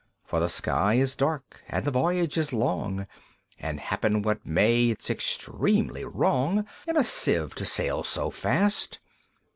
For the sky is dark, and the voyage is long, And happen what may, it's extremely wrong In a Sieve to sail so fast!"